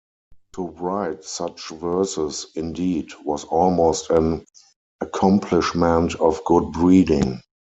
To write such verses, indeed, was almost an accomplishment of good breeding.